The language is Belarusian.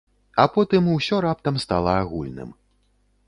А потым усё раптам стала агульным.